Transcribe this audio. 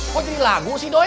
kok jadi lagu sih doanya